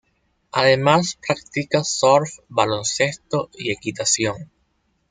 Además practica surf, baloncesto y equitación.